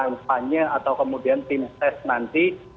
kemudian tim kampanye atau kemudian tim tes nanti